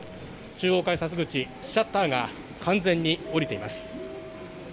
中央改札口、シャッターが完全に下りています。